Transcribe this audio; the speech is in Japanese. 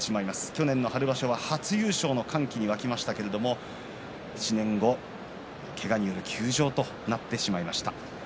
去年の春場所は初優勝の歓喜に沸きましたけれども１年後、けがによる休場となってしまいました。